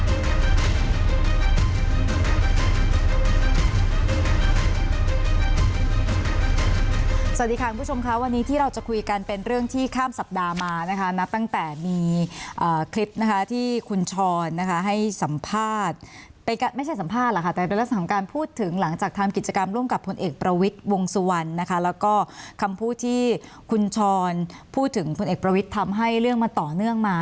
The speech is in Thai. สวัสดีค่ะคุณผู้ชมค่ะวันนี้ที่เราจะคุยกันเป็นเรื่องที่ข้ามสัปดาห์มานะคะนับตั้งแต่มีคลิปนะคะที่คุณชรนะคะให้สัมภาษณ์ไม่ใช่สัมภาษณ์หรอกค่ะแต่เป็นลักษณะของการพูดถึงหลังจากทำกิจกรรมร่วมกับพลเอกประวิทย์วงสุวรรณนะคะแล้วก็คำพูดที่คุณชรพูดถึงพลเอกประวิทย์ทำให้เรื่องมันต่อเนื่องมา